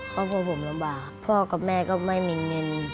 พ่อพ่อผมลำบากพ่อกับแม่ก็ไม่มีเงิน